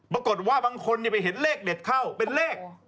ปรากฏว่าบางคนไปเห็นเลขเด็ดเข้าเป็นเลข